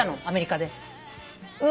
アメリカで。